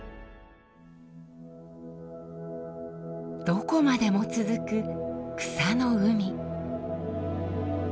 どこまでも続く草の海。